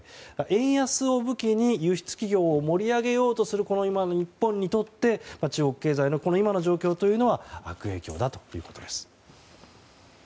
円安を武器に輸出企業を盛り上げようとする今の日本にとって中国経済の今の状況は悪影響だということです。